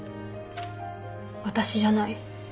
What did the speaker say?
私じゃない。